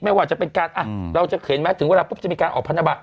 ไม่ว่าจะเป็นการเราจะเห็นไหมถึงเวลาปุ๊บจะมีการออกพันธบะ